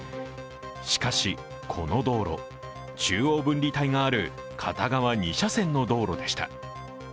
しかし、この道路、中央分離帯がある片側２車線の道路でした。